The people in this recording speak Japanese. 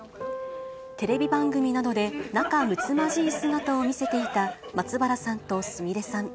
テレビ番組などで、仲むつまじい姿を見せていた松原さんとすみれさん。